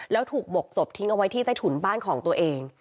แล้วถูกหมกศพทิ้งเอาไว้ที่ใต้ถุนบ้านของตัวเอง